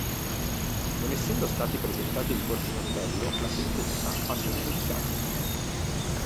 Non essendo stati presentati ricorsi in appello, la sentenza passa in giudicato.